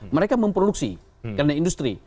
mereka memproduksi karena industri